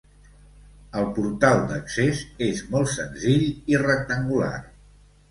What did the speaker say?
El portal d'accés és molt senzill i rectangular.